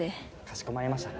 かしこまりました。